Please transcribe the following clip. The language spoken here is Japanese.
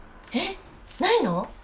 えっないの？